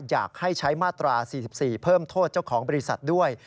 อยากให้ใช้มาตรา๔๔เพิ่มโทษเจ้าของบริษัทด้วย